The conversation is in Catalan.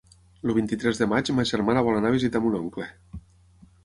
El vint-i-tres de maig ma germana vol anar a visitar mon oncle.